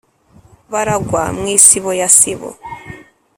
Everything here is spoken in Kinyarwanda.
baragwa mu isibo ya sibo.